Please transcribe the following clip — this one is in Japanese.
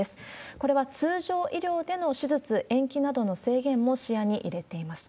これは通常医療での手術延期などの制限も視野に入れています。